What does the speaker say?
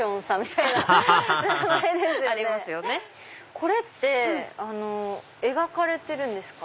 これって描かれてるんですか？